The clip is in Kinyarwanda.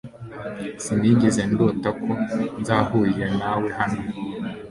Sinigeze ndota ko nzahurira nawe hano.